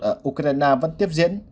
ở ukraine vẫn tiếp diễn